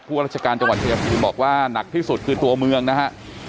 ราชการจังหวัดชายภูมิบอกว่าหนักที่สุดคือตัวเมืองนะฮะ